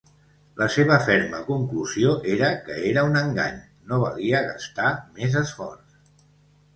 La seva ferma conclusió era que era un engany, no valia gastar més esforç.